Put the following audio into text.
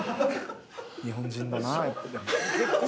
「日本人だなやっぱり」